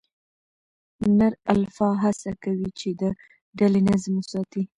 نر الفا هڅه کوي، چې د ډلې نظم وساتي.